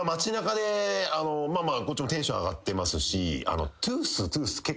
こっちもテンション上がってますし。